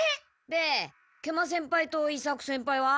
で食満先輩と伊作先輩は？